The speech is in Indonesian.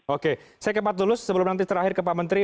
oke saya ke pak tulus sebelum nanti terakhir ke pak menteri